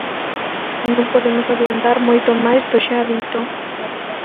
Non podemos adiantar moito máis do xa dito.